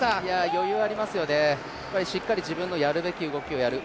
余裕ありますね、しっかり自分のやるべき動きをやる。